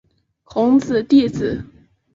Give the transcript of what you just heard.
孔子弟子。